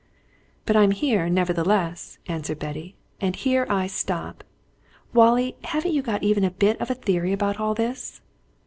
"But I'm here, nevertheless!" said Betty. "And here I stop! Wallie, haven't you got even a bit of a theory about all this!"